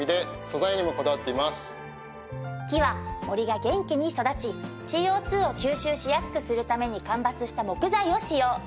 木は森が元気に育ちＣＯ２を吸収しやすくするために間伐した木材を使用。